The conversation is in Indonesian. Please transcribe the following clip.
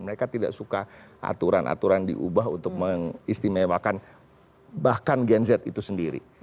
mereka tidak suka aturan aturan diubah untuk mengistimewakan bahkan gen z itu sendiri